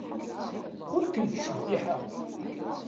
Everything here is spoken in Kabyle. Ur ken-ttcebbiḥeɣ.